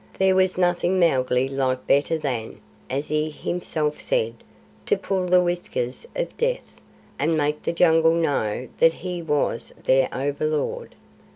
There was nothing Mowgli liked better than, as he himself said, "to pull the whiskers of Death," and make the Jungle know that he was their overlord.